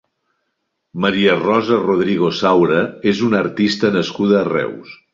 Maria Rosa Rodrigo Saura és una artista nascuda a Reus.